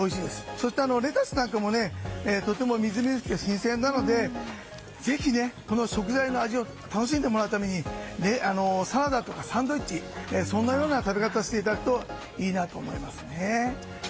そして、レタスなんかもとてもみずみずしくて新鮮なのでぜひ食材の味を楽しんでもらうためにサラダとかサンドイッチなどの食べ方をしていただくといいなと思いますね。